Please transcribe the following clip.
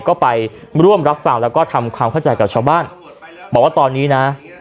ก็ไปร่วมรับฟังแล้วก็ทำความเข้าใจกับชาวบ้านบอกว่าตอนนี้นะ